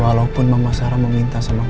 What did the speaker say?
walaupun mama sarah meminta sama